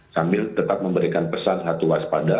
sambil tetap memberikan pesan satu waspada